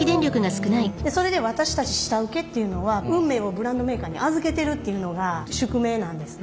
それで私たち下請けっていうのは運命をブランドメーカーに預けてるっていうのが宿命なんですね。